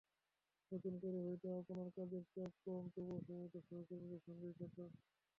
নতুন বলে হয়তো আপনার কাজের চাপ কম, তবু সময়টা সহকর্মীদের সঙ্গেই কাটান।